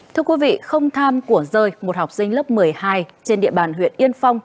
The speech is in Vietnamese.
thưa quý vị không tham của rơi một học sinh lớp một mươi hai trên địa bàn huyện yên phong